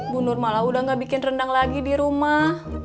bu nur malah sudah tidak membuat rendang lagi di rumah